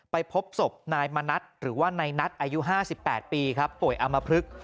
พบศพนายมณัฐหรือว่านายนัทอายุ๕๘ปีครับป่วยอมพลึก